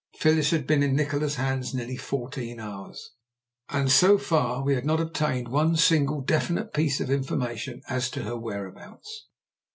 Phyllis had been in Nikola's hands nearly fourteen hours, and so far we had not obtained one single definite piece of information as to her whereabouts.